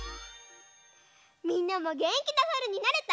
みんなもげんきなさるになれた？